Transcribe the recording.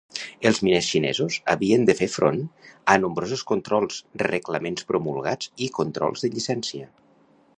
Els miners xinesos havien de fer front a nombrosos controls, reglaments promulgats i controls de llicència.